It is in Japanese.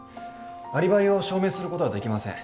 アリバイを証明することはできません。